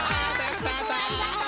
福君ありがとう！